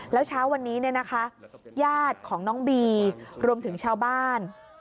แล้วเช้าวันนี้ญาติของน้องบีรวมถึงชาวบ้าน